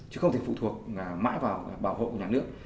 chứ không thể phụ thuộc mãi vào bảo hộ của nhà nước